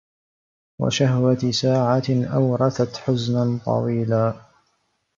وَشَهْوَةِ سَاعَةٍ أَوْرَثَتْ حُزْنًا طَوِيلًا